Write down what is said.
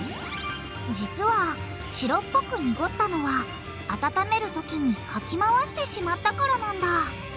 実は白っぽく濁ったのは温める時にかきまわしてしまったからなんだ。